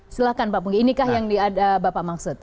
silahkan pak punggi inikah yang bapak maksud